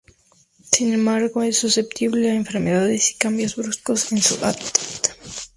Sin embargo es susceptible a enfermedades y cambios bruscos en su hábitat.